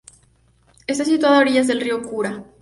Está situada a orillas del río Kura.